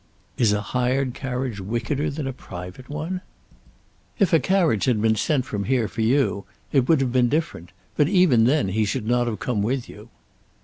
"Is a hired carriage wickeder than a private one?" "If a carriage had been sent from here for you, it would have been different; but even then he should not have come with you."